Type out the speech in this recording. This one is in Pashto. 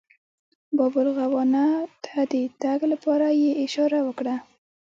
باب الغوانمه ته د تګ لپاره یې اشاره وکړه.